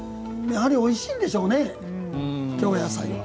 やはりおいしいんでしょうね、京野菜は。